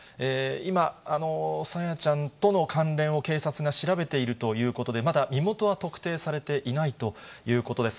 今、朝芽ちゃんとの関連を警察が調べているということで、まだ身元は特定されていないということです。